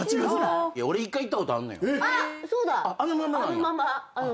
あのままなんや？